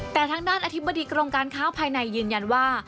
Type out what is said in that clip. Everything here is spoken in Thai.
แต่ทางด้านอธิบดีกรมการค้าภายในยืนยันว่า